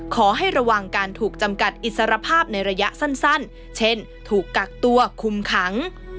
ขอให้ระวังการถูกจำกัดอิสรภาพในระยะสั้นเช่นถูกกักตัวคุมขัง